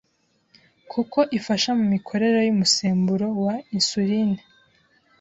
kuko ifasha mu mikorere y’umusemburo wa insuline,